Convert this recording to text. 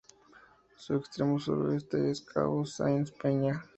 Su extremo suroeste es el cabo Sáenz Peña.